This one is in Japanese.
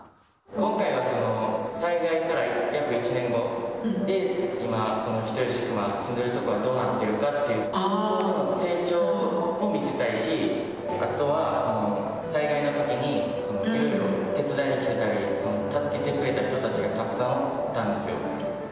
今回はその災害から約１年後で、今、人吉・球磨がどうなっているかっていう、復興の成長を見せたいし、あとは災害のときにいろいろ手伝いに来てくれたり、助けてくれた人たちがたくさんいたんですよ。